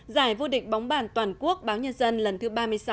giải vô địch bóng bàn toàn quốc báo nhân dân lần thứ ba mươi sáu